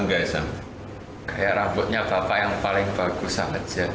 kayak rambutnya bapak yang paling bagus saja